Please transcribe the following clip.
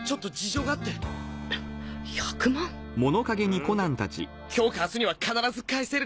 きょ今日か明日には必ず返せるから。